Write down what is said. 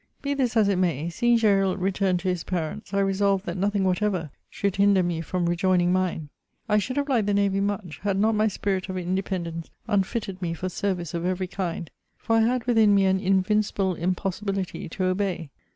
Be this as it may, seeing Gresril return to his parents, I re solved that nothing whatever should hinder me from rejoining mine. I should have liked the navy much, had not my spirit of independence unfitted me for service of every kind ; for I had within me an invincible impossibility to obey.